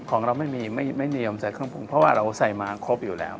ของเราไม่มีไม่เนียมใส่เครื่องปรุงเพราะว่าเราใส่มาครบอยู่แล้ว